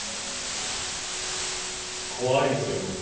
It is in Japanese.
怖いですよ